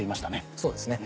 そうですね